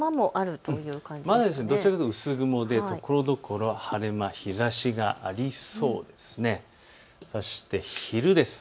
どちらかというと薄雲でところどころ晴れ間、日ざしがありそうです。